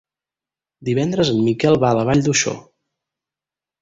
Divendres en Miquel va a la Vall d'Uixó.